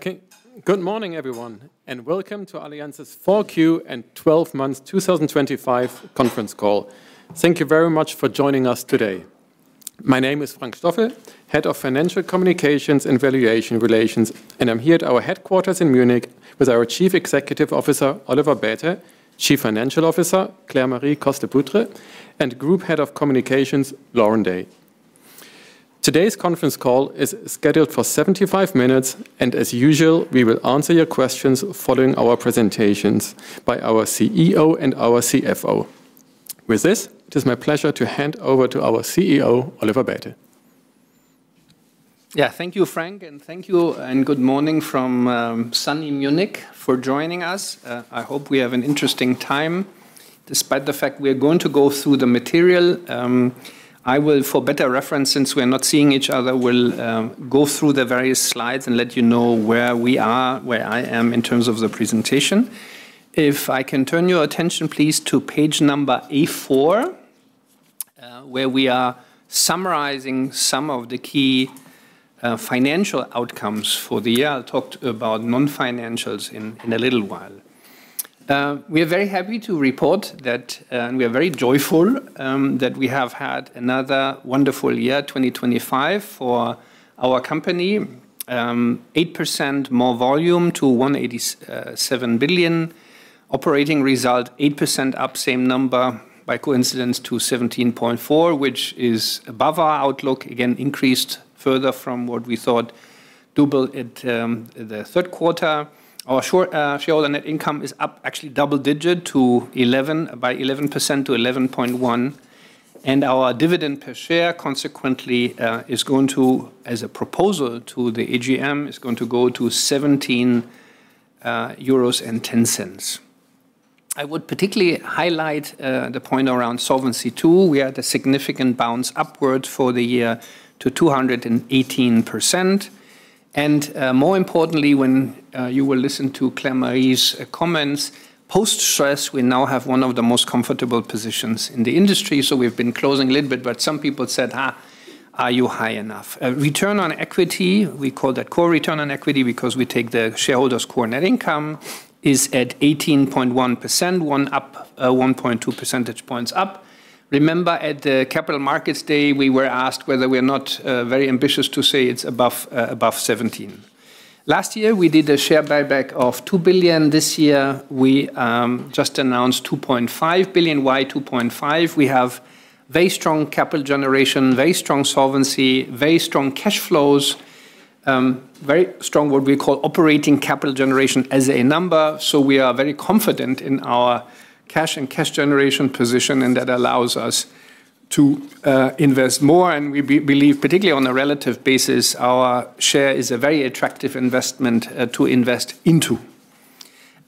Good morning, everyone, welcome to Allianz's 4Q and 12 months 2025 conference call. Thank you very much for joining us today. My name is Frank Stoffel, Head of Financial Communications and Investor Relations, I'm here at our headquarters in Munich with our Chief Executive Officer, Oliver Bäte; Chief Financial Officer, Claire-Marie Coste-Lepoutre; and Group Head of Communications, Lauren Day. Today's conference call is scheduled for 75 minutes, as usual, we will answer your questions following our presentations by our CEO and our CFO. With this, it is my pleasure to hand over to our CEO, Oliver Bäte. Thank you, Frank, and thank you, good morning from sunny Munich for joining us. I hope we have an interesting time, despite the fact we are going to go through the material. I will, for better reference, since we are not seeing each other, will go through the various slides and let you know where we are, where I am in terms of the presentation. If I can turn your attention, please, to Page number A4, where we are summarizing some of the key financial outcomes for the year. I'll talk about non-financials in a little while. We are very happy to report that we are very joyful that we have had another wonderful year, 2025, for our company. 8% more volume to 187 billion. Operating result, 8% up, same number by coincidence, to 17.4 billion, which is above our outlook, again, increased further from what we thought to build it, the third quarter. Our short, shareholder net income is up actually double-digit to 11% to 11.1 billion. Our dividend per share, consequently, is going to, as a proposal to the AGM, is going to go to 17.10 euros. I would particularly highlight the point around Solvency II. We had a significant bounce upward for the year to 218%. More importantly, when you will listen to Claire-Marie's comments, post-stress, we now have one of the most comfortable positions in the industry, so we've been closing a little bit, but some people said, "Are you high enough?" Return on equity, we call that core return on equity because we take the shareholders' core net income, is at 18.1%, one up, 1.2 percentage points up. Remember, at the Capital Markets Day, we were asked whether we are not very ambitious to say it's above 17 billion. Last year, we did a share buyback of 2 billion. This year, we just announced 2.5 billion. Why 2.5 billion? We have very strong capital generation, very strong Solvency II, very strong cash flows, very strong, what we call operating capital generation as a number. We are very confident in our cash and cash generation position, and that allows us to invest more, and we believe, particularly on a relative basis, our share is a very attractive investment to invest into.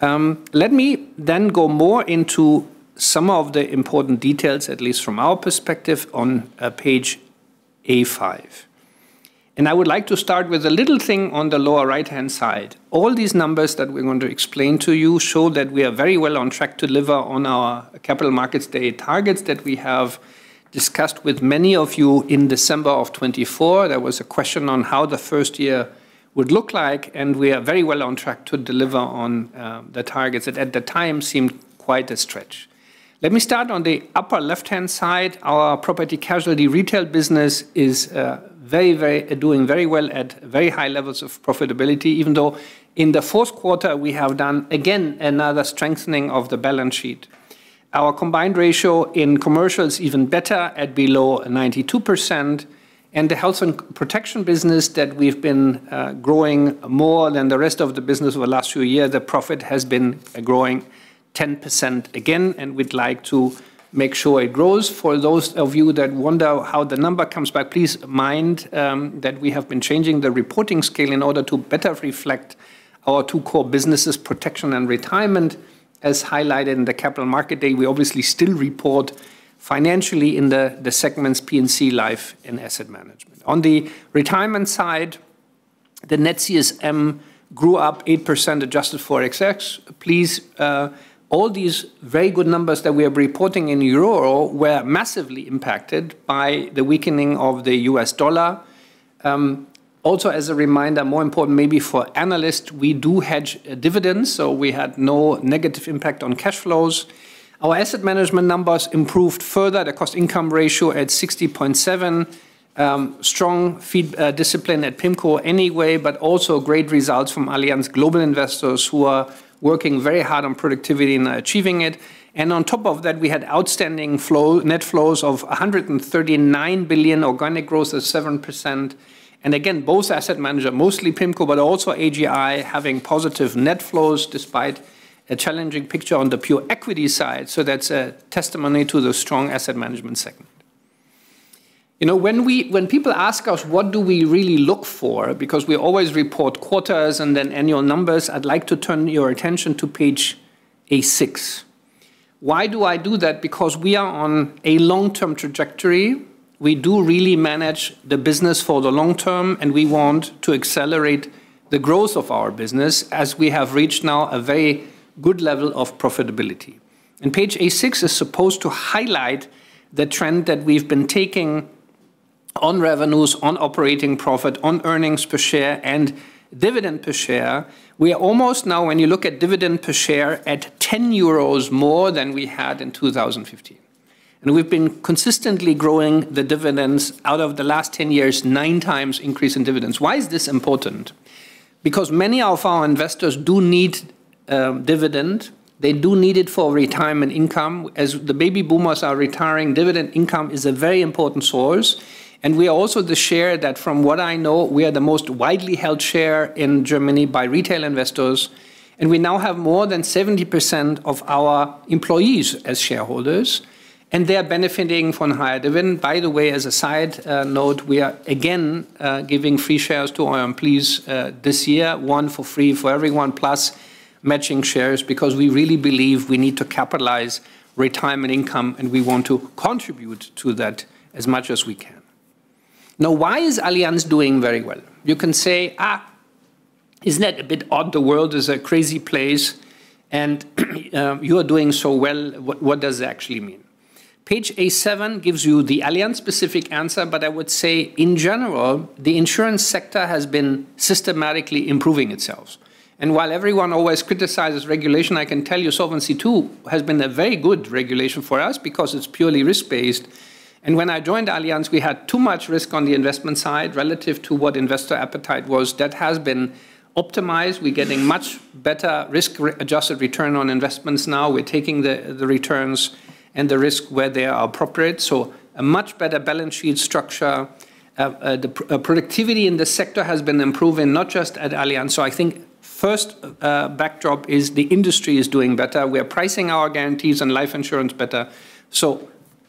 Let me then go more into some of the important details, at least from our perspective, on Page A5. I would like to start with a little thing on the lower right-hand side. All these numbers that we're going to explain to you show that we are very well on track to deliver on our Capital Markets Day targets that we have discussed with many of you in December of 2024. There was a question on how the 1st year would look like, and we are very well on track to deliver on the targets that at the time seemed quite a stretch. Let me start on the upper left-hand side. Our property casualty retail business is doing very well at very high levels of profitability, even though in the fourth quarter, we have done, again, another strengthening of the balance sheet. Our combined ratio in commercial is even better at below 92%, and the health and protection business that we've been growing more than the rest of the business over the last few years, the profit has been growing 10% again, and we'd like to make sure it grows. For those of you that wonder how the number comes back, please mind that we have been changing the reporting scale in order to better reflect our two core businesses, protection and retirement, as highlighted in the Capital Markets Day. We obviously still report financially in the segments P&C Life and Asset Management. On the retirement side, the net CSM grew up 8%, adjusted for FX. Please, all these very good numbers that we are reporting in euro were massively impacted by the weakening of the US dollar. As a reminder, more important maybe for analysts, we do hedge dividends, so we had no negative impact on cash flows. Our asset management numbers improved further. The cost-income ratio at 60.7%, strong feed discipline at PIMCO anyway, but also great results from Allianz Global Investors, who are working very hard on productivity and achieving it. On top of that, we had outstanding net flows of 139 billion, organic growth of 7%. Again, both asset manager, mostly PIMCO, but also AGI, having positive net flows despite a challenging picture on the pure equity side. That's a testimony to the strong asset management segment. You know, when people ask us, what do we really look for? Because we always report quarters and then annual numbers, I'd like to turn your attention to Page A6. Why do I do that? Because we are on a long-term trajectory. We do really manage the business for the long term, and we want to accelerate the growth of our business as we have reached now a very good level of profitability. Page A6 is supposed to highlight the trend that we've been taking on revenues, on operating profit, on earnings per share, and dividend per share, we are almost now, when you look at dividend per share, at 10 euros more than we had in 2015. We've been consistently growing the dividends out of the last 10 years, 9x increase in dividends. Why is this important? Many of our investors do need dividend. They do need it for retirement income. As the baby boomers are retiring, dividend income is a very important source, and we are also the share that, from what I know, we are the most widely held share in Germany by retail investors. We now have more than 70% of our employees as shareholders, and they are benefiting from higher dividend. By the way, as a side note, we are again giving free shares to our employees this year, one for free for everyone, plus matching shares, because we really believe we need to capitalize retirement income, and we want to contribute to that as much as we can. Why is Allianz doing very well? You can say, "Isn't that a bit odd? The world is a crazy place, and you are doing so well. What does it actually mean?" Page A7 gives you the Allianz-specific answer, but I would say, in general, the insurance sector has been systematically improving itself. While everyone always criticizes regulation, I can tell you Solvency II has been a very good regulation for us because it's purely risk-based. When I joined Allianz, we had too much risk on the investment side relative to what investor appetite was. That has been optimized. We're getting much better risk adjusted return on investments now. We're taking the returns and the risk where they are appropriate, so a much better balance sheet structure. The productivity in the sector has been improving, not just at Allianz. I think first, backdrop is the industry is doing better. We are pricing our guarantees and life insurance better.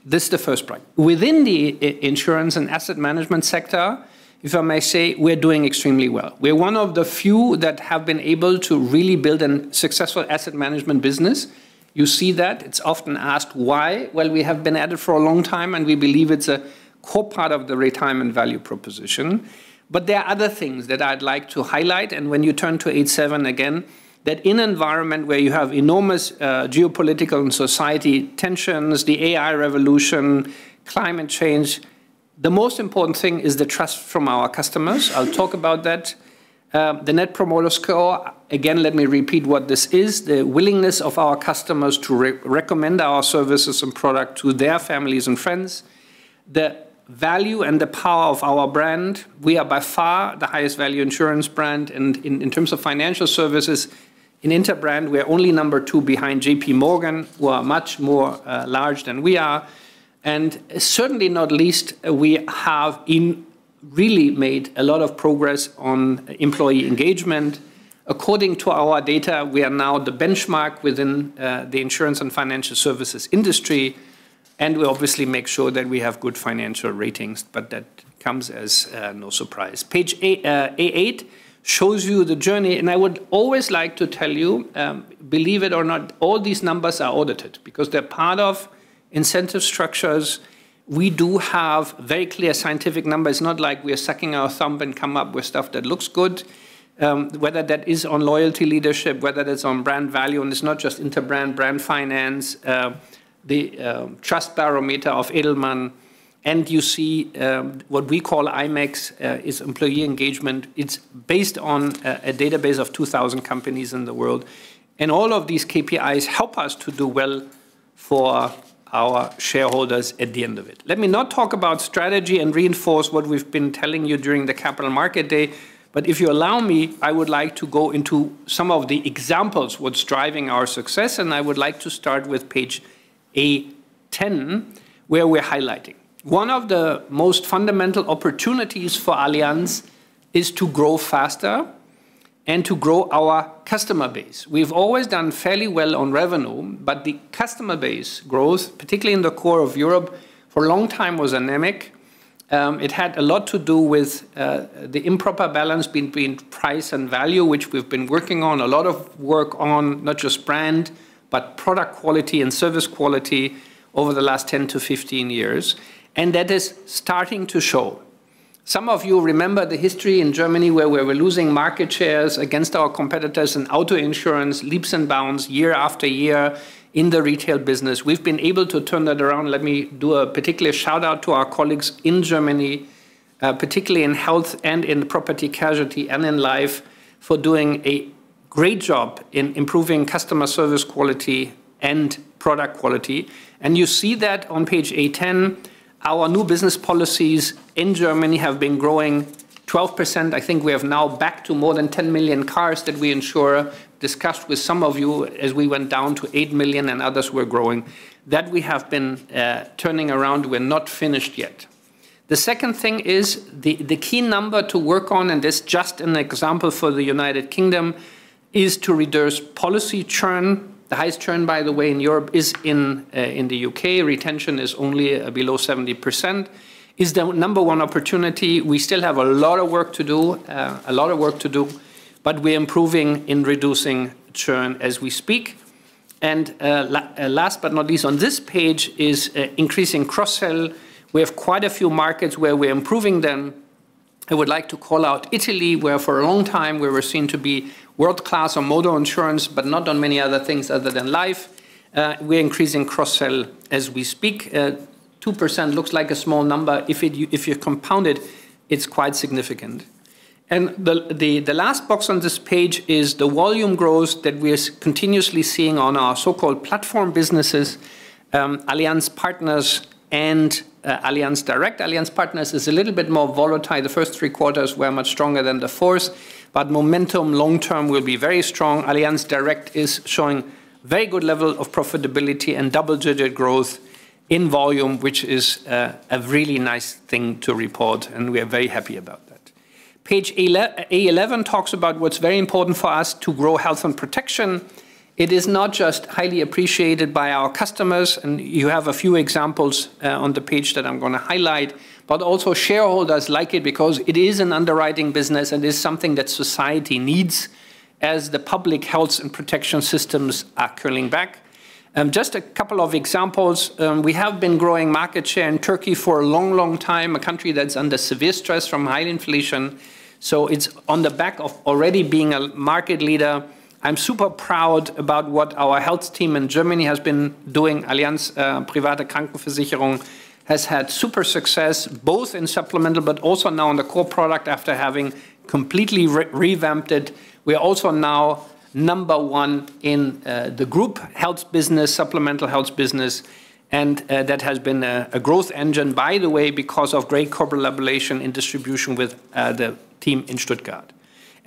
This is the 1st part. Within the insurance and asset management sector, if I may say, we're doing extremely well. We're one of the few that have been able to really build a successful asset management business. You see that. It's often asked why. Well, we have been at it for a long time, and we believe it's a core part of the retirement value proposition. There are other things that I'd like to highlight, and when you turn to A7 again, that in an environment where you have enormous geopolitical and society tensions, the AI revolution, climate change, the most important thing is the trust from our customers. I'll talk about that. The Net Promoter Score, again, let me repeat what this is: the willingness of our customers to recommend our services and product to their families and friends. The value and the power of our brand, we are by far the highest value insurance brand, and in terms of financial services, in Interbrand, we are only number two behind J.P. Morgan, who are much more large than we are. Certainly not least, we have really made a lot of progress on employee engagement. According to our data, we are now the benchmark within the insurance and financial services industry, and we obviously make sure that we have good financial ratings, but that comes as no surprise. Page A8 shows you the journey, and I would always like to tell you, believe it or not, all these numbers are audited because they're part of incentive structures. We do have very clear scientific numbers, not like we are sucking our thumb and come up with stuff that looks good. Whether that is on loyalty leadership, whether that's on brand value, and it's not just Interbrand, Brand Finance, the trust barometer of Edelman, and you see what we call IMEX, is employee engagement. It's based on a database of 2,000 companies in the world, and all of these KPIs help us to do well for our shareholders at the end of it. Let me not talk about strategy and reinforce what we've been telling you during the Capital Markets Day. If you allow me, I would like to go into some of the examples, what's driving our success. I would like to start with Page A10, where we're highlighting. One of the most fundamental opportunities for Allianz is to grow faster and to grow our customer base. We've always done fairly well on revenue, but the customer base growth, particularly in the core of Europe, for a long time, was anemic. It had a lot to do with the improper balance between price and value, which we've been working on, a lot of work on not just brand, but product quality and service quality over the last 10 to 15 years, and that is starting to show. Some of you remember the history in Germany, where we were losing market shares against our competitors in auto insurance, leaps and bounds, year after year in the retail business. We've been able to turn that around. Let me do a particular shout-out to our colleagues in Germany, particularly in health and in property casualty and in life, for doing a great job in improving customer service quality and product quality. You see that on Page A10, our new business policies in Germany have been growing 12%. I think we have now back to more than 10 million cars that we insure, discussed with some of you as we went down to 8 million and others were growing. That we have been turning around. We're not finished yet. The second thing is the key number to work on, this is just an example for the United Kingdom, is to reduce policy churn. The highest churn, by the way, in Europe, is in the UK. Retention is only below 70%, is the number 1 opportunity. We still have a lot of work to do, we're improving in reducing churn as we speak. Last but not least, on this page is increasing cross-sell. We have quite a few markets where we're improving them. I would like to call out Italy, where for a long time we were seen to be world-class on motor insurance, not on many other things other than life. We're increasing cross-sell as we speak. 2% looks like a small number. If you compound it's quite significant. The last box on this page is the volume growth that we are continuously seeing on our so-called platform businesses, Allianz Partners and Allianz Direct. Allianz Partners is a little bit more volatile. The 1st three quarters were much stronger than the fourth, but momentum long term will be very strong. Allianz Direct is showing very good level of profitability and double-digit growth in volume, which is a really nice thing to report, and we are very happy about that. Page A11 talks about what's very important for us to grow health and protection. It is not just highly appreciated by our customers. You have a few examples on the page that I'm gonna highlight, but also shareholders like it because it is an underwriting business and is something that society needs as the public health and protection systems are curling back. Just a couple of examples. We have been growing market share in Turkey for a long, long time, a country that's under severe stress from high inflation. It's on the back of already being a market leader. I'm super proud about what our health team in Germany has been doing. Allianz Private Krankenversicherung has had super success, both in supplemental but also now in the core product, after having completely re-revamped it. We are also now number one in the group health business, supplemental health business, and that has been a growth engine, by the way, because of great corporate collaboration and distribution with the team in Stuttgart.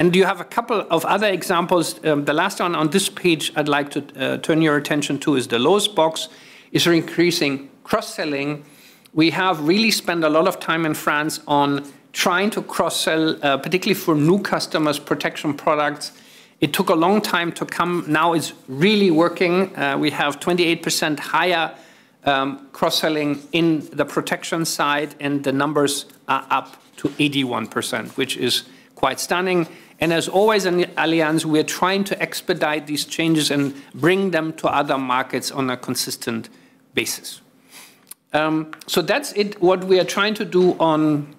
You have a couple of other examples. The last one on this page I'd like to turn your attention to is the lowest box, is we're increasing cross-selling. We have really spent a lot of time in France on trying to cross-sell, particularly for new customers, protection products. It took a long time to come. Now it's really working. We have 28% higher cross-selling in the protection side, and the numbers are up to 81%, which is quite stunning. As always, in Allianz, we're trying to expedite these changes and bring them to other markets on a consistent basis. That's it, what we are trying to do on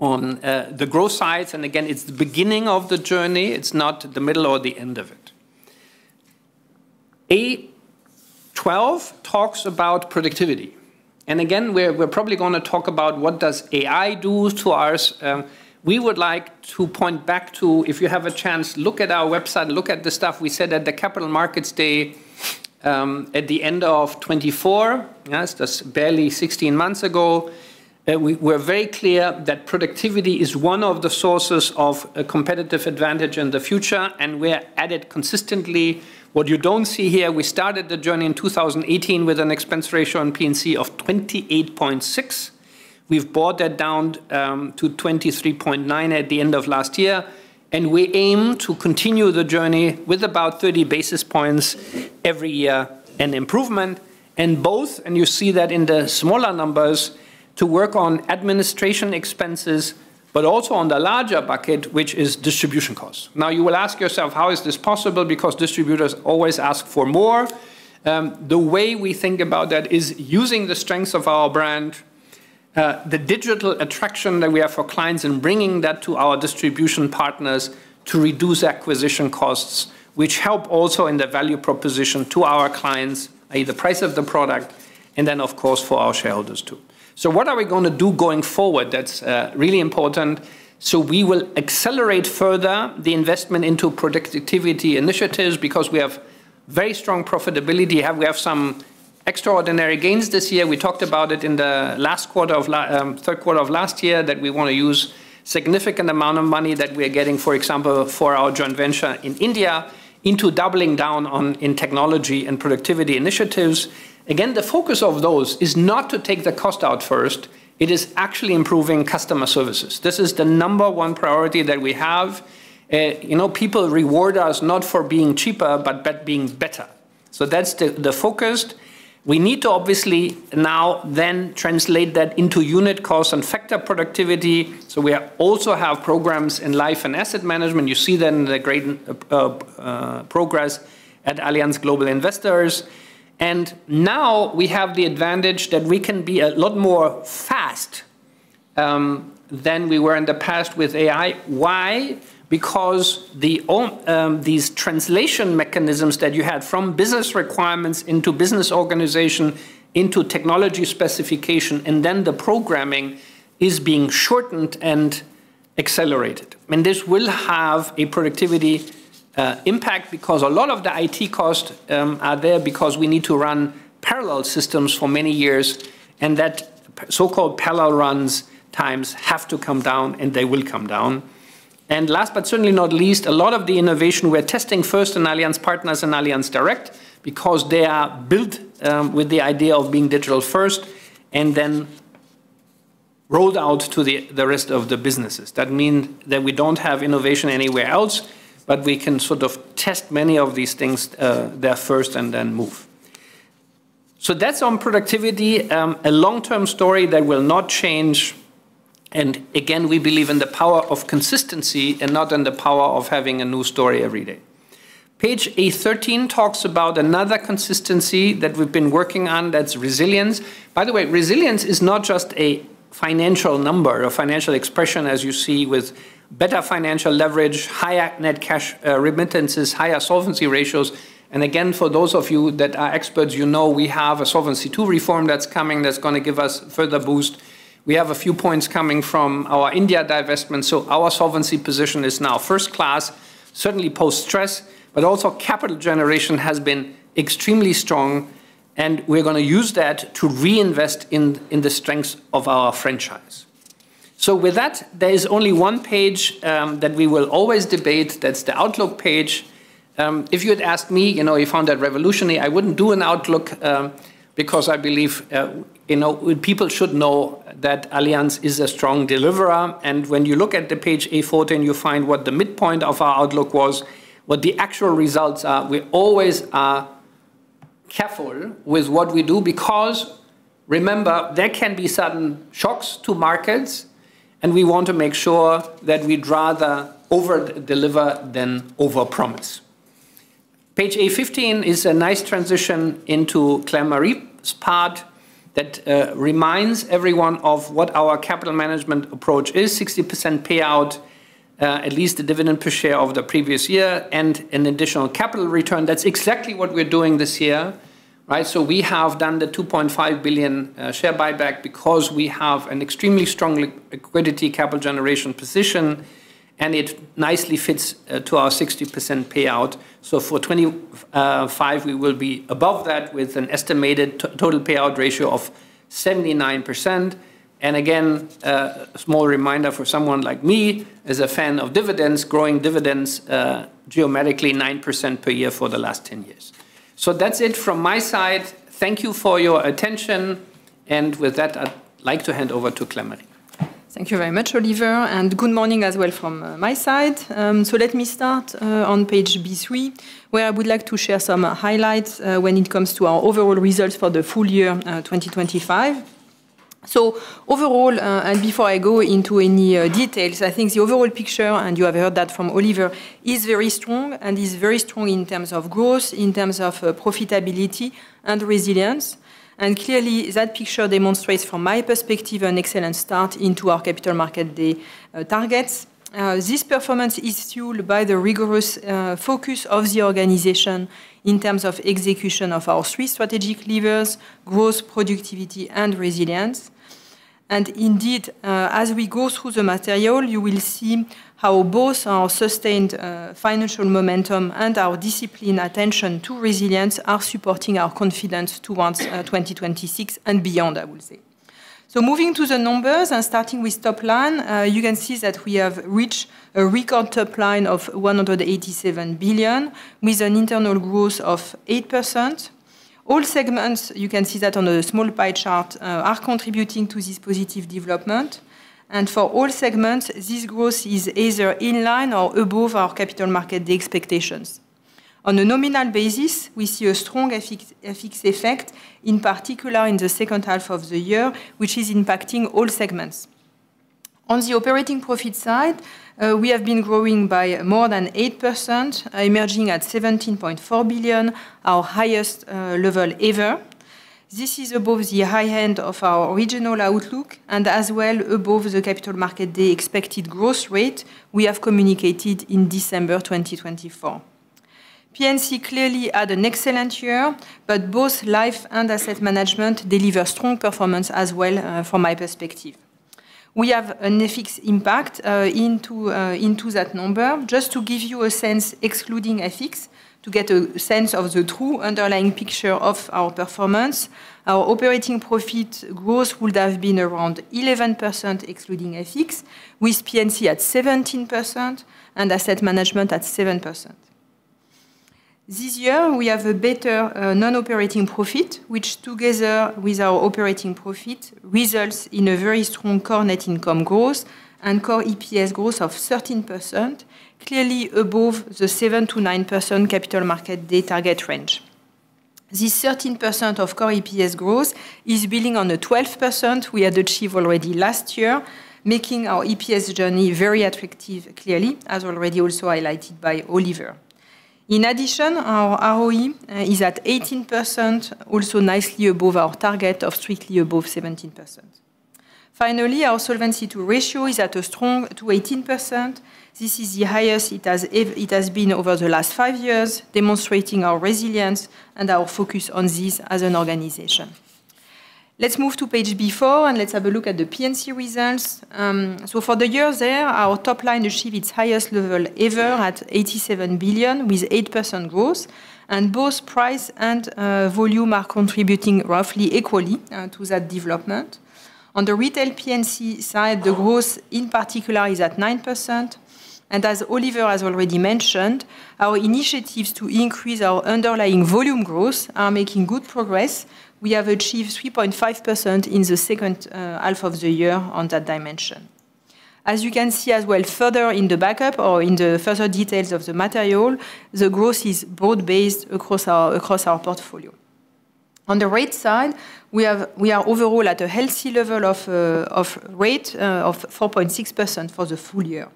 the growth side, and again, it's the beginning of the journey. It's not the middle or the end of it. A12 talks about productivity. Again, we're probably gonna talk about what does AI do to us? We would like to point back to if you have a chance, look at our website, look at the stuff we said at the Capital Markets Day, at the end of 2024. Yes, that's barely 16 months ago. We're very clear that productivity is one of the sources of a competitive advantage in the future, and we're at it consistently. What you don't see here, we started the journey in 2018 with an expense ratio on P&C of 28.6%. We've brought that down to 23.9% at the end of last year, and we aim to continue the journey with about 30 basis points every year and improvement. Both, you see that in the smaller numbers, to work on administration expenses, but also on the larger bucket, which is distribution costs. You will ask yourself: How is this possible? Because distributors always ask for more. The way we think about that is using the strengths of our brand, the digital attraction that we have for clients and bringing that to our distribution partners to reduce acquisition costs, which help also in the value proposition to our clients, pay the price of the product, and then, of course, for our shareholders, too. What are we gonna do going forward? That's really important. We will accelerate further the investment into productivity initiatives because we have very strong profitability. We have some extraordinary gains this year. We talked about it in the last third quarter of last year, that we want to use significant amount of money that we are getting, for example, for our joint venture in India, into doubling down on in technology and productivity initiatives. The focus of those is not to take the cost out first. It is actually improving customer services. This is the number one priority that we have. you know, people reward us not for being cheaper, but being better. That's the focus. We need to obviously now then translate that into unit costs and factor productivity, so we also have programs in life and asset management. You see then the great progress at Allianz Global Investors. Now we have the advantage that we can be a lot more fast than we were in the past with AI. Why? Because these translation mechanisms that you had from business requirements into business organization, into technology specification, and then the programming is being shortened and accelerated. This will have a productivity impact, because a lot of the IT costs are there because we need to run parallel systems for many years, and that so-called parallel runs times have to come down, and they will come down. Last but certainly not least, a lot of the innovation we're testing 1st in Allianz Partners and Allianz Direct because they are built with the idea of being digital first and then rolled out to the rest of the businesses. That mean that we don't have innovation anywhere else, but we can sort of test many of these things there first and then move. That's on productivity, a long-term story that will not change. Again, we believe in the power of consistency and not in the power of having a new story every day. Page A13 talks about another consistency that we've been working on. That's resilience. By the way, resilience is not just a financial number or financial expression, as you see, with better financial leverage, higher net cash remittances, higher Solvency II ratios. Again, for those of you that are experts, you know we have a Solvency II reform that's coming that's gonna give us further boost. We have a few points coming from our India divestment, our Solvency II position is now first class, certainly post-stress, but also capital generation has been extremely strong, and we're gonna use that to reinvest in the strengths of our franchise. With that, there is only one page that we will always debate. That's the outlook page. If you had asked me, you know, you found that revolutionary, I wouldn't do an outlook, because I believe, you know, people should know that Allianz is a strong deliverer. When you look at the Page A14, you find what the midpoint of our outlook was, what the actual results are. We always are careful with what we do because, remember, there can be sudden shocks to markets, and we want to make sure that we'd rather over-deliver than overpromise. Page A15 is a nice transition into Claire-Marie part that reminds everyone of what our capital management approach is: 60% payout, at least the dividend per share of the previous year, and an additional capital return. That's exactly what we're doing this year, right? We have done the 2.5 billion share buyback because we have an extremely strong equity capital generation position, and it nicely fits to our 60% payout. For 2025, we will be above that, with an estimated total payout ratio of 79%. Again, a small reminder for someone like me, as a fan of dividends, growing dividends geometrically 9% per year for the last 10 years. That's it from my side. Thank you for your attention, and with that, I'd like to hand over to Claire-Marie. Thank you very much, Oliver, and good morning as well from my side. Let me start on Page B3, where I would like to share some highlights when it comes to our overall results for the full year 2025. Overall, and before I go into any details, I think the overall picture, and you have heard that from Oliver, is very strong and is very strong in terms of growth, in terms of profitability and resilience. Clearly, that picture demonstrates, from my perspective, an excellent start into our Capital Markets Day targets. This performance is fueled by the rigorous focus of the organization in terms of execution of our three strategic levers: growth, productivity, and resilience. Indeed, as we go through the material, you will see how both our sustained financial momentum and our disciplined attention to resilience are supporting our confidence towards 2026 and beyond, I would say. Moving to the numbers and starting with top line, you can see that we have reached a record top line of 187 billion, with an internal growth of 8%. All segments, you can see that on the small pie chart, are contributing to this positive development. For all segments, this growth is either in line or above our capital market expectations. On a nominal basis, we see a strong FX effect, in particular in the second half of the year, which is impacting all segments. On the operating profit side, we have been growing by more than 8%, emerging at 17.4 billion, our highest level ever. This is above the high end of our original outlook and as well above the Capital Markets Day expected growth rate we have communicated in December 2024. P&C clearly had an excellent year, but both life and asset management deliver strong performance as well, from my perspective. We have an FX impact into that number. Just to give you a sense, excluding FX, to get a sense of the true underlying picture of our performance, our operating profit growth would have been around 11%, excluding FX, with P&C at 17% and asset management at 7%. This year, we have a better non-operating profit, which, together with our operating profit, results in a very strong core net income growth and core EPS growth of 13%, clearly above the 7%-9% Capital Markets Day target range. This 13% of core EPS growth is building on the 12% we had achieved already last year, making our EPS journey very attractive, clearly, as already also highlighted by Oliver. In addition, our ROE is at 18%, also nicely above our target of strictly above 17%. Finally, our Solvency II ratio is at a strong to 18%. This is the highest it has been over the last 5 years, demonstrating our resilience and our focus on this as an organization. Let's move to Page B4, and let's have a look at the P&C results. For the year there, our top line achieved its highest level ever at 87 billion, with 8% growth, both price and volume are contributing roughly equally to that development. On the retail P&C side, the growth in particular is at 9%. As Oliver has already mentioned, our initiatives to increase our underlying volume growth are making good progress. We have achieved 3.5% in the second half of the year on that dimension. As you can see as well, further in the backup or in the further details of the material, the growth is broad-based across our portfolio. On the rate side, we are overall at a healthy level of rate of 4.6% for the full year.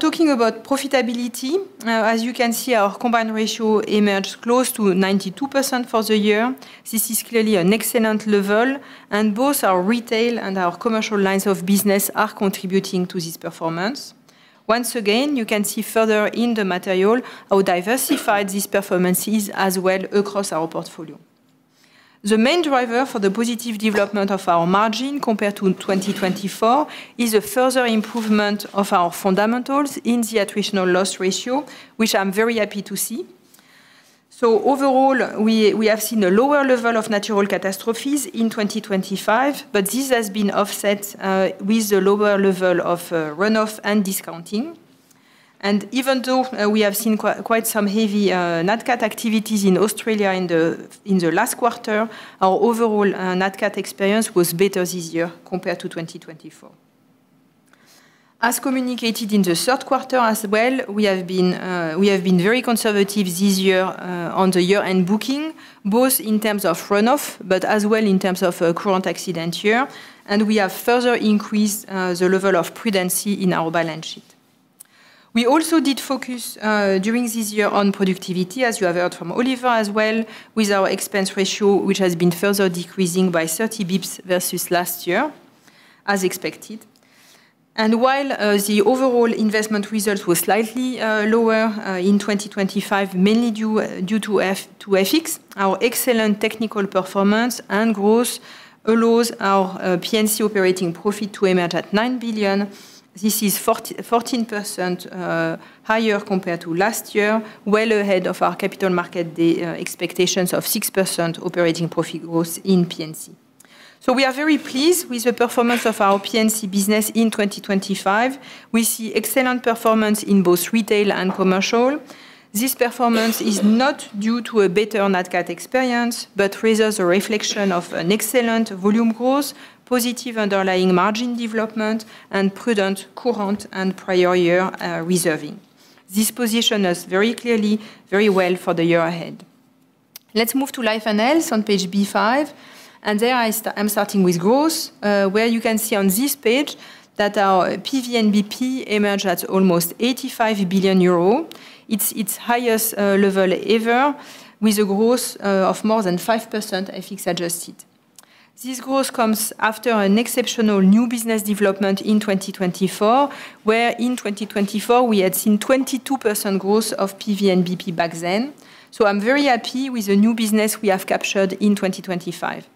Talking about profitability, as you can see, our combined ratio emerged close to 92% for the year. This is clearly an excellent level, and both our retail and our commercial lines of business are contributing to this performance. Once again, you can see further in the material how diversified this performance is as well across our portfolio. The main driver for the positive development of our margin compared to 2024 is a further improvement of our fundamentals in the attritional loss ratio, which I'm very happy to see. Overall, we have seen a lower level of natural catastrophes in 2025, but this has been offset with a lower level of runoff and discounting. Even though we have seen quite some Natural Catastrophes activities in Australia in the last quarter, our Natural Catastrophes experience was better this year compared to 2024. As communicated in the third quarter as well, we have been very conservative this year on the year-end booking, both in terms of runoff but as well in terms of current accident year, we have further increased the level of prudency in our balance sheet. We also did focus during this year on productivity, as you have heard from Oliver as well, with our expense ratio, which has been further decreasing by 30 basis points versus last year, as expected. While the overall investment results were slightly lower in 2025, mainly due to FX, our excellent technical performance and growth allows our P&C operating profit to emerge at 9 billion. This is 14% higher compared to last year, well ahead of our capital market expectations of 6% operating profit growth in P&C. We are very pleased with the performance of our P&C business in 2025. We see excellent performance in both retail and commercial. This performance is not due to a Natural Catastrophes experience, but rather is a reflection of an excellent volume growth, positive underlying margin development, and prudent current and prior year reserving. This position is very clearly very well for the year ahead. Let's move to Life and Health on Page B5, there I'm starting with growth, where you can see on this page that our PVNBP emerged at almost 85 billion euro. It's its highest level ever, with a growth of more than 5% FX adjusted. This growth comes after an exceptional new business development in 2024, where in 2024 we had seen 22% growth of PVNBP back then. I'm very happy with the new business we have captured in 2025.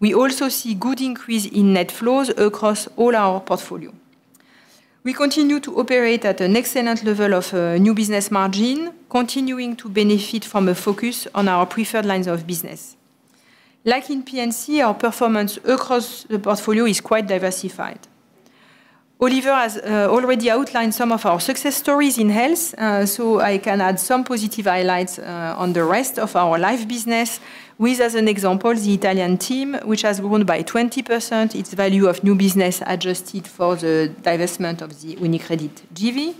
We also see good increase in net flows across all our portfolio. We continue to operate at an excellent level of new business margin, continuing to benefit from a focus on our preferred lines of business. Like in P&C, our performance across the portfolio is quite diversified. Oliver has already outlined some of our success stories in Health, so I can add some positive highlights on the rest of our life business with, as an example, the Italian team, which has grown by 20%, its value of new business adjusted for the divestment of the UniCredit JV.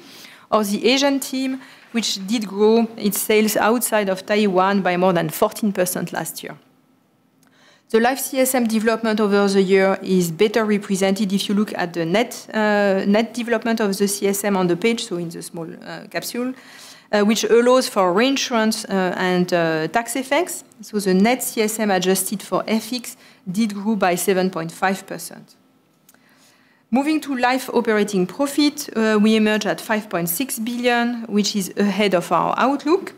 The Asian team, which did grow its sales outside of Taiwan by more than 14% last year. The life CSM development over the year is better represented if you look at the net development of the CSM on the page, so in the small capsule, which allows for reinsurance and tax effects. The net CSM adjusted for FX did grow by 7.5%. Moving to life operating profit, we emerge at 5.6 billion, which is ahead of our outlook.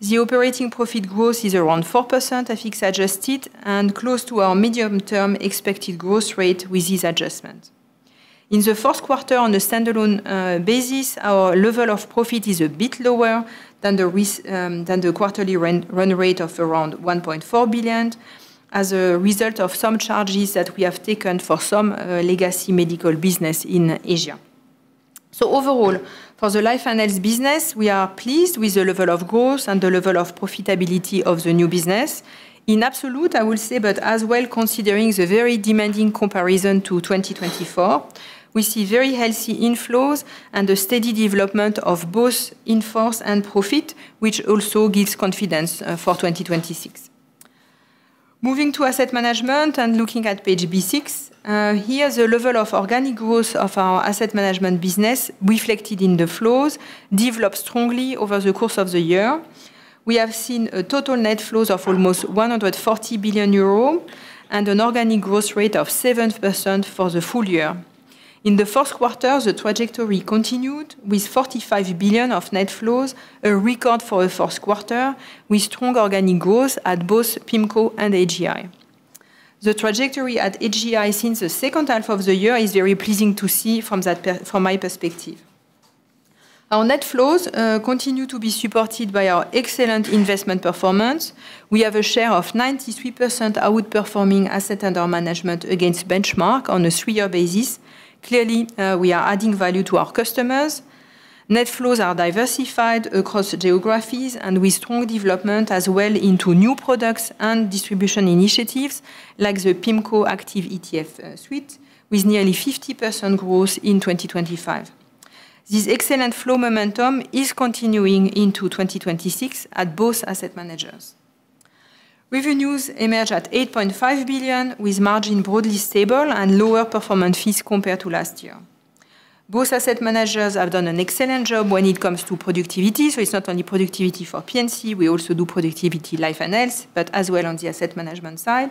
The operating profit growth is around 4% FX adjusted and close to our medium-term expected growth rate with this adjustment. In the fourth quarter, on a standalone basis, our level of profit is a bit lower than the quarterly run rate of around 1.4 billion as a result of some charges that we have taken for some legacy medical business in Asia. Overall, for the Life and Health business, we are pleased with the level of growth and the level of profitability of the new business. In absolute, I will say, but as well, considering the very demanding comparison to 2024, we see very healthy inflows and a steady development of both in force and profit, which also gives confidence for 2026. Moving to asset management and looking at Page B6, here the level of organic growth of our asset management business, reflected in the flows, developed strongly over the course of the year. We have seen a total net flows of almost 140 billion euro and an organic growth rate of 7% for the full year. In the fourth quarter, the trajectory continued with 45 billion of net flows, a record for the fourth quarter, with strong organic growth at both PIMCO and AGI. The trajectory at AGI since the second half of the year is very pleasing to see from my perspective. Our net flows continue to be supported by our excellent investment performance. We have a share of 93% outperforming asset under management against benchmark on a 3-year basis. Clearly, we are adding value to our customers. Net flows are diversified across geographies and with strong development as well into new products and distribution initiatives, like the PIMCO Active ETF suite, with nearly 50% growth in 2025. This excellent flow momentum is continuing into 2026 at both asset managers. Revenues emerge at 8.5 billion, with margin broadly stable and lower performance fees compared to last year. Both asset managers have done an excellent job when it comes to productivity, so it's not only productivity for P&C, we also do productivity life and health, but as well on the asset management side.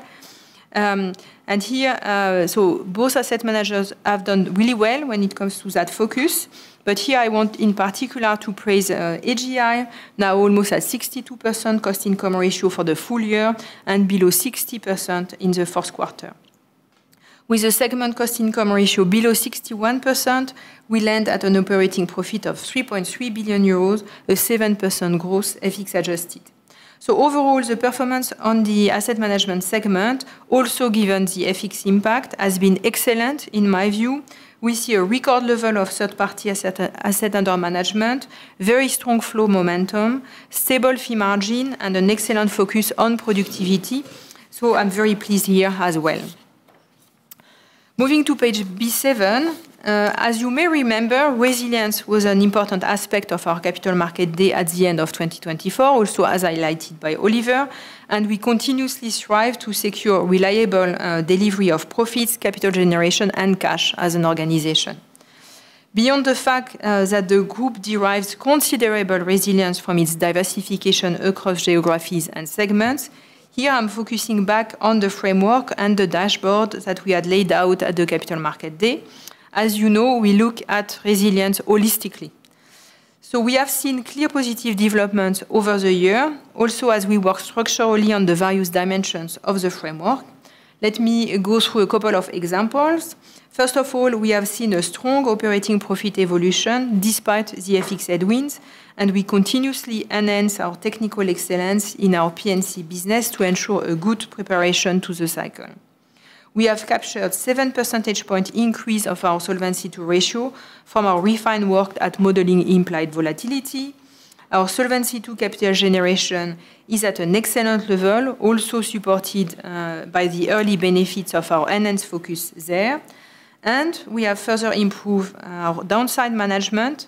Here both asset managers have done really well when it comes to that focus. Here I want, in particular, to praise AGI, now almost at 62% cost-income ratio for the full year and below 60% in the 4th quarter. With the segment cost-income ratio below 61%, we land at an operating profit of 3.3 billion euros, a 7% growth, FX adjusted. Overall, the performance on the asset management segment, also given the FX impact, has been excellent, in my view. We see a record level of third-party asset under management, very strong flow momentum, stable fee margin, and an excellent focus on productivity. I'm very pleased here as well. Moving to Page B7, as you may remember, resilience was an important aspect of our Capital Markets Day at the end of 2024, also as highlighted by Oliver. We continuously strive to secure reliable delivery of profits, capital generation, and cash as an organization. Beyond the fact that the group derives considerable resilience from its diversification across geographies and segments, here I'm focusing back on the framework and the dashboard that we had laid out at the Capital Markets Day. As you know, we look at resilience holistically. We have seen clear positive developments over the year, also as we work structurally on the various dimensions of the framework. Let me go through a couple of examples. First of all, we have seen a strong operating profit evolution despite the FX headwinds. We continuously enhance our technical excellence in our P&C business to ensure a good preparation to the cycle. We have captured 7 percentage point increase of our Solvency II ratio from our refined work at modeling implied volatility. Our Solvency II capital generation is at an excellent level, also supported by the early benefits of our enhanced focus there, and we have further improved our downside management.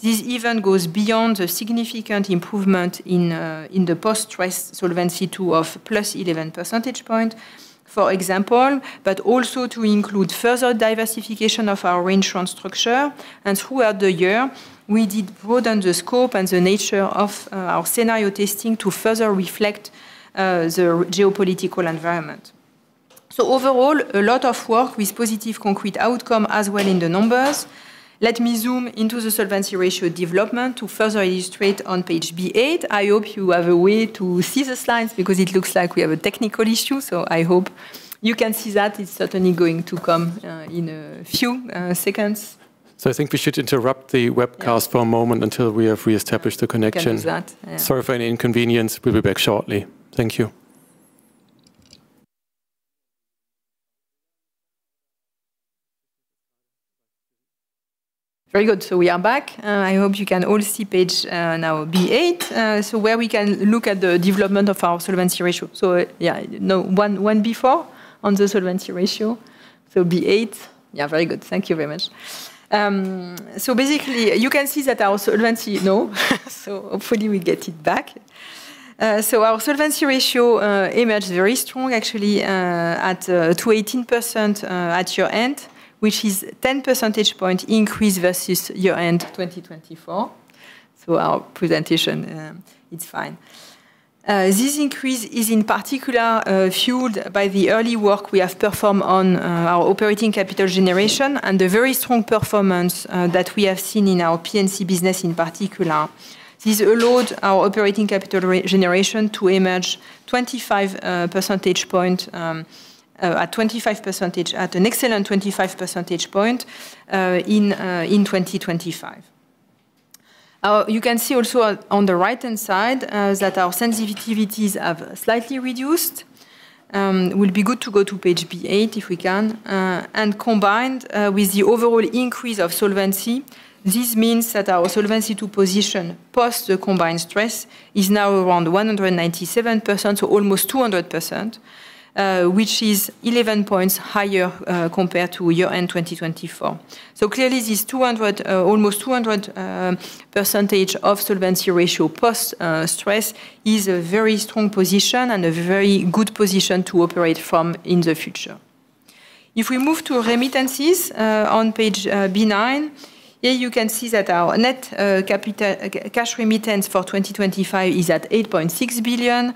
This even goes beyond the significant improvement in the post-stress Solvency II of plus 11 percentage point, for example, but also to include further diversification of our reinsurance structure. Throughout the year, we did broaden the scope and the nature of our scenario testing to further reflect the geopolitical environment. Overall, a lot of work with positive concrete outcome as well in the numbers. Let me zoom into the Solvency II ratio development to further illustrate on Page B8. I hope you have a way to see the slides, because it looks like we have a technical issue, so I hope you can see that. It's certainly going to come, in a few seconds. I think we should interrupt the webcast for a moment until we have reestablished the connection. We can do that, yeah. Sorry for any inconvenience. We'll be back shortly. Thank you. Very good. We are back, and I hope you can all see Page B8. Where we can look at the development of our Solvency II ratio. One before on the Solvency II ratio, B8. Very good. Thank you very much. Basically, you can see that our Solvency II ratio emerged very strong, actually, at 218% at year-end, which is 10 percentage point increase versus year-end 2024. Our presentation, it's fine. This increase is in particular fueled by the early work we have performed on our operating capital generation and the very strong performance that we have seen in our P&C business in particular. This allowed our operating capital regeneration to emerge at an excellent 25 percentage point in 2025. You can see also on the right-hand side that our sensitivities have slightly reduced. It would be good to go to Page B8, if we can. Combined with the overall increase of Solvency II, this means that our Solvency II position post the combined stress is now around 197%, so almost 200%, which is 11 points higher compared to year-end 2024. Clearly, this almost 200% of Solvency II ratio post stress is a very strong position and a very good position to operate from in the future. If we move to remittances on Page B9, here you can see that our net cash remittance for 2025 is at 8.6 billion,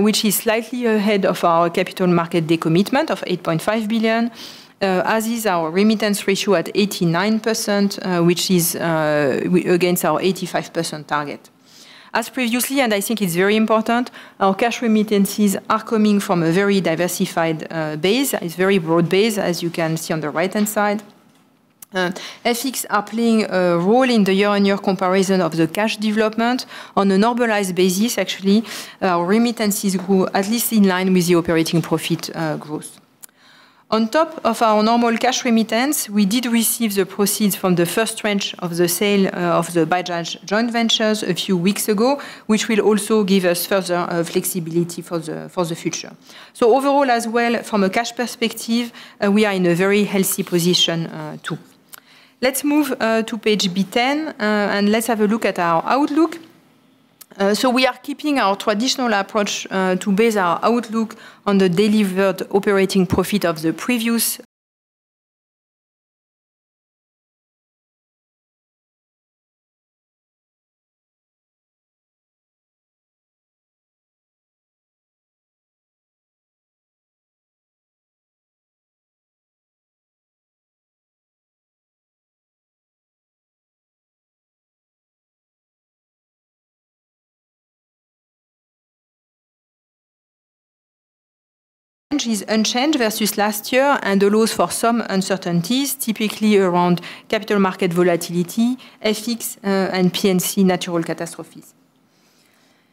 which is slightly ahead of our Capital Markets Day commitment of 8.5 billion, as is our remittance ratio at 89%, which is against our 85% target. As previously, and I think it's very important, our cash remittances are coming from a very diversified base. It's very broad base, as you can see on the right-hand side. FX are playing a role in the year-on-year comparison of the cash development. On a normalized basis, actually, remittances grew at least in line with the operating profit growth. On top of our normal cash remittance, we did receive the proceeds from the first tranche of the sale of the Bajaj joint ventures a few weeks ago, which will also give us further flexibility for the future. Overall, as well, from a cash perspective, we are in a very healthy position, too. Let's move to Page B10, and let's have a look at our outlook. We are keeping our traditional approach to base our outlook on the delivered operating profit of the previous. Range is unchanged versus last year, and allows for some uncertainties, typically around capital market volatility, FX, and P&C natural catastrophes.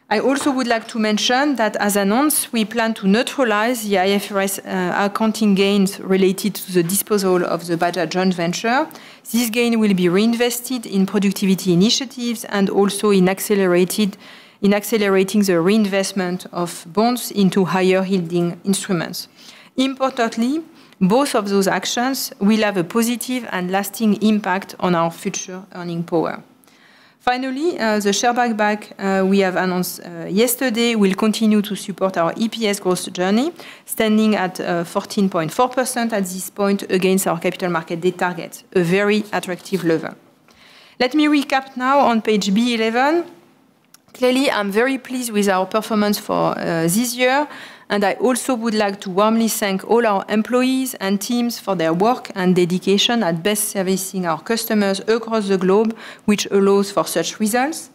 I also would like to mention that, as announced, we plan to neutralize the IFRS accounting gains related to the disposal of the Bajaj Joint Venture. This gain will be reinvested in productivity initiatives and also in accelerating the reinvestment of bonds into higher-yielding instruments. Importantly, both of those actions will have a positive and lasting impact on our future earning power. Finally, the share buyback we have announced yesterday, will continue to support our EPS growth journey, standing at 14.4% at this point against our Capital Market Date target, a very attractive level. Let me recap now on Page B11. I'm very pleased with our performance for this year, and I also would like to warmly thank all our employees and teams for their work and dedication at best servicing our customers across the globe, which allows for such results.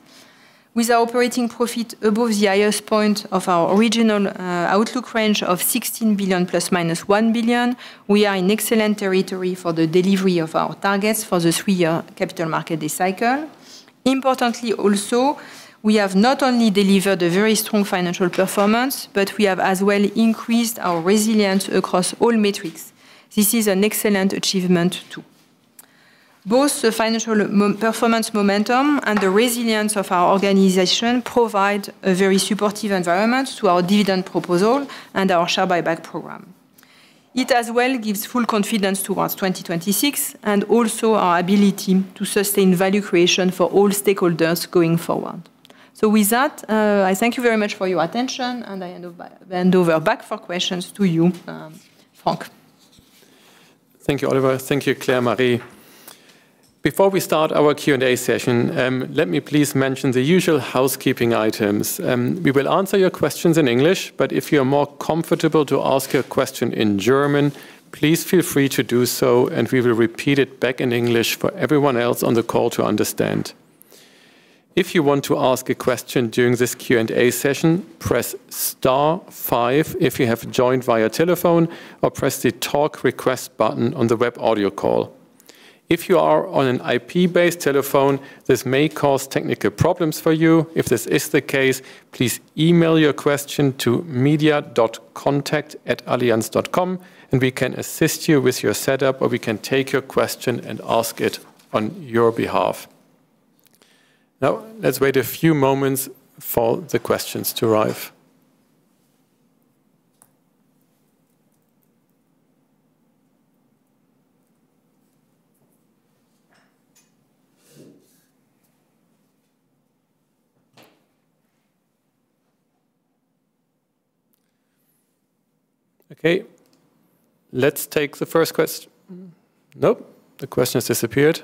With our operating profit above the highest point of our original outlook range of 16 billion ± 1 billion, we are in excellent territory for the delivery of our targets for the three-year Capital Markets Day cycle. Importantly, also, we have not only delivered a very strong financial performance, but we have as well increased our resilience across all metrics. This is an excellent achievement too. Both the financial performance momentum and the resilience of our organization provide a very supportive environment to our dividend proposal and our share buyback program. It as well gives full confidence towards 2026, and also our ability to sustain value creation for all stakeholders going forward. With that, I thank you very much for your attention, and I hand over back for questions to you, Frank. Thank you, Oliver. Thank you, Claire-Marie. Before we start our Q&A session, let me please mention the usual housekeeping items. We will answer your questions in English, if you're more comfortable to ask your question in German, please feel free to do so, and we will repeat it back in English for everyone else on the call to understand. If you want to ask a question during this Q&A session, press star five if you have joined via telephone or press the Talk Request button on the web audio call. If you are on an IP-based telephone, this may cause technical problems for you. If this is the case, please email your question to media.contact@allianz.com, we can assist you with your setup, we can take your question and ask it on your behalf. Let's wait a few moments for the questions to arrive. Okay, let's take the first nope, the question has disappeared.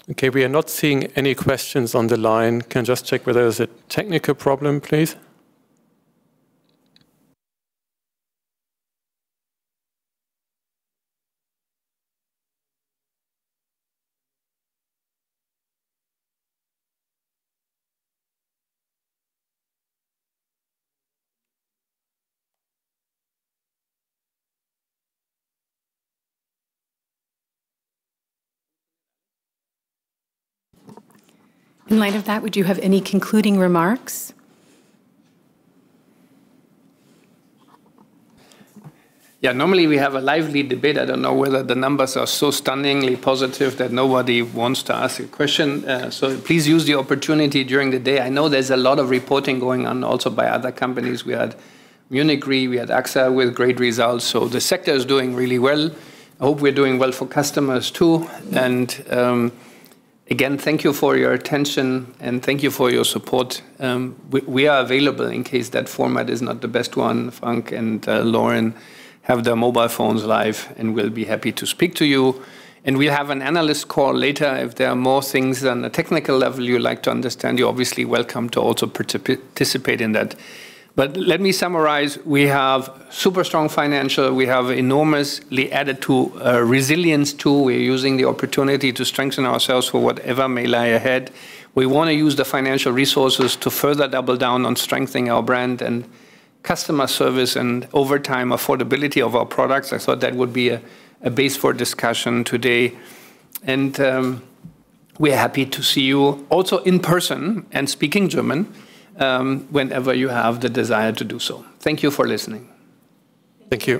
No question. Okay, we are not seeing any questions on the line. Can you just check whether there's a technical problem, please? In light of that, would you have any concluding remarks? Yeah, normally we have a lively debate. I don't know whether the numbers are so stunningly positive that nobody wants to ask a question. Please use the opportunity during the day. I know there's a lot of reporting going on also by other companies. We had Munich Re, we had AXA with great results, so the sector is doing really well. I hope we're doing well for customers, too. Again, thank you for your attention, and thank you for your support. We are available in case that format is not the best one. Frank and Lauren have their mobile phones live and will be happy to speak to you. We'll have an analyst call later if there are more things on a technical level you'd like to understand. You're obviously welcome to also participate in that. Let me summarize: We have super strong financial. We have enormously added to our resilience, too. We're using the opportunity to strengthen ourselves for whatever may lie ahead. We want to use the financial resources to further double down on strengthening our brand and customer service and, over time, affordability of our products. I thought that would be a base for discussion today. We are happy to see you also in person and speak in German whenever you have the desire to do so. Thank you for listening. Thank you.